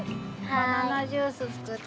バナナジュース。